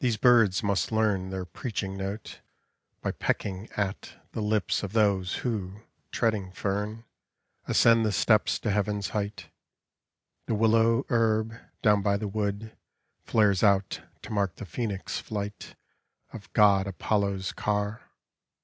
These birds must learn Their preaching note by pi at The lips of those wi ling tern, Ascend the st< to H arht. The willow hern, down by the wood Flares out to mark the phoenix flight Oi God Apollo's car.